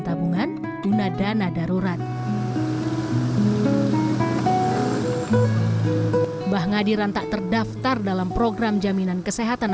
tabungan guna dana darurat mbah ngadiran tak terdaftar dalam program jaminan kesehatan